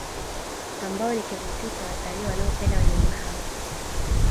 Ambao ni Kivutio cha Watalii wanaopenda wanyama hao